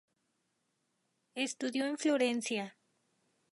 Estudió en Florencia.